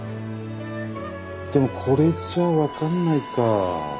でもこれじゃ分かんないか。